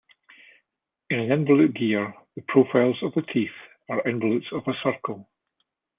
In an involute gear, the profiles of the teeth are involutes of a circle.